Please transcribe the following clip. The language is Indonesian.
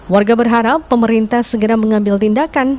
warga berharap pemerintah segera mengambil tindakan